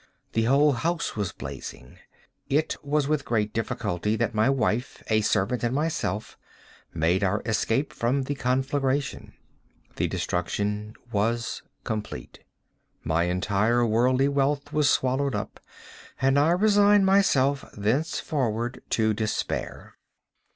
The whole house was blazing. It was with great difficulty that my wife, a servant, and myself, made our escape from the conflagration. The destruction was complete. My entire worldly wealth was swallowed up, and I resigned myself thenceforward to despair.